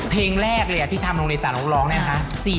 เพลงแรกเลยที่ทำโรงเรียนจานกรองเนี่ยนะคะ๔๘๐๐